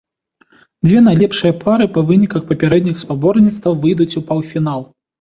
Дзве найлепшыя пары па выніках папярэдніх спаборніцтваў выйдуць у паўфінал.